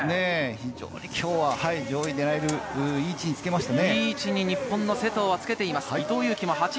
非常に今日は上位を狙えるいい位置につけています。